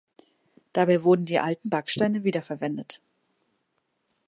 Dabei wurden die alten Backsteine wiederverwendet.